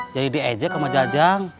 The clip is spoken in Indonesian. jadi diajak sama jajang